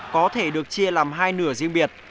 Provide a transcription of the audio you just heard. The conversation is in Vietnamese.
có thể được chia làm hai nửa riêng biệt